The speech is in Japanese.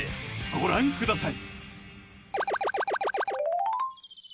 ご覧ください